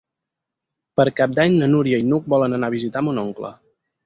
Per Cap d'Any na Núria i n'Hug volen anar a visitar mon oncle.